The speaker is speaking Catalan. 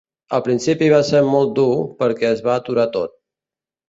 Al principi va ser molt molt dur, perquè es va aturar tot.